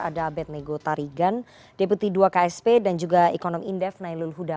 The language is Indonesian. ada abed nego tarigan deputi dua ksp dan juga ekonom indef nailul huda